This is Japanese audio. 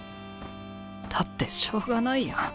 だってしょうがないやん。